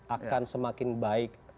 akan semakin baik